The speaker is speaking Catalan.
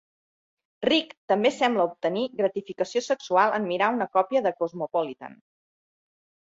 Rik també sembla obtenir gratificació sexual en mirar una còpia de "Cosmopolitan".